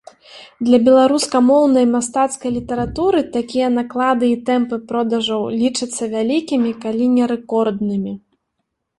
Для беларускамоўнай мастацкай літаратуры такія наклады і тэмпы продажаў лічацца вялікімі, калі не рэкорднымі.